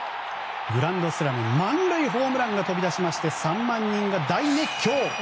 グランドスラム満塁ホームランが飛び出しまして３万人が大熱狂。